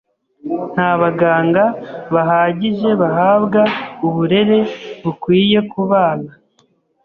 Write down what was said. Nta baganga bahagije bahabwa uburere bukwiye kubana.